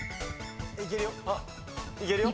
いけるよ。